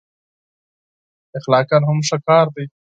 اخلاقأ هم ښه کار دی.